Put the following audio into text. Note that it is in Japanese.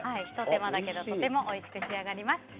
ひと手間だけどとてもおいしく仕上がります。